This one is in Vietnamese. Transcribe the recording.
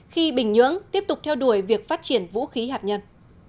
khi bình nhưỡng tiếp tục theo đuổi việc phát triển vũ khí hạt nhân